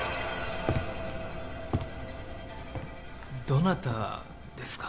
どなたですか？